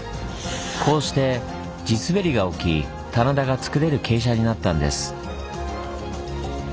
こうして地滑りが起き棚田がつくれる傾斜になったんです。